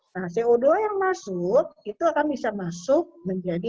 nah co dua yang masuk itu akan bisa masuk menjadi